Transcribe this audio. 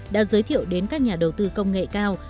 đã giới thiệu đến các nhà đầu tư công nghệ cao